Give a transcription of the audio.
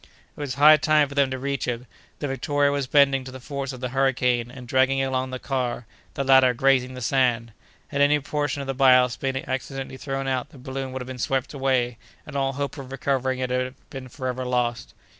It was high time for them to reach it. The Victoria was bending to the force of the hurricane, and dragging along the car, the latter grazing the sand. Had any portion of the ballast been accidentally thrown out, the balloon would have been swept away, and all hope of recovering it have been forever lost.